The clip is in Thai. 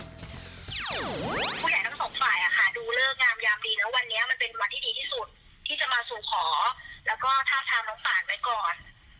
ผู้ใหญ่ทั้งสองฝ่ายดูเลิกงามยามดีนะวันนี้มันเป็นวันที่ดีที่สุดที่จะมาสู่ขอแล้วก็ทาบทามน้องฝ่านไว้ก่อน